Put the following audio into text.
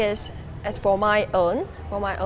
karena untuk kepentinganku